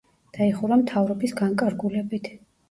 დაიხურა მთავრობის განკარგულებით.